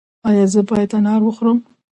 ایا زه باید انار وخورم؟